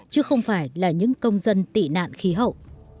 chứ không phải là những công dân tị nạn khí hậu